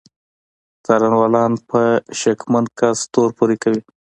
څارنوالان په شکمن کس تور پورې کوي.